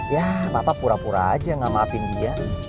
ya papa pura pura aja nggak maafin dia